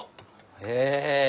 へえ。